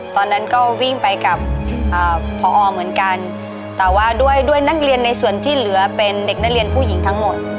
ตอนนั้นก็วิ่งไปกับพอเหมือนกันแต่ว่าด้วยด้วยนักเรียนในส่วนที่เหลือเป็นเด็กนักเรียนผู้หญิงทั้งหมด